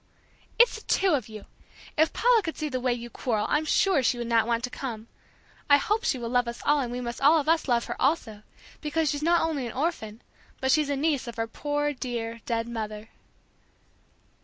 "It's the two of you! If Paula could see the way you quarrel I'm sure she would not want to come. I hope she will love us all and we must all of us love her also, because she's not only an orphan, but she's a niece of our poor dear, dead mother."